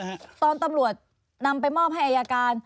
ตอนตำรวจนำไปมอบให้อายการ